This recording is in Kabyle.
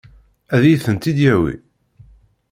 Ad iyi-tent-id-yawi?